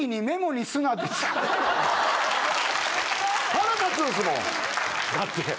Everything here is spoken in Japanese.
腹立つんすもんだって。